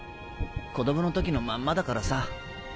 子供の時のまんまだからさ。